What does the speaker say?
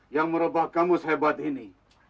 yang merubah kamu sehebat ini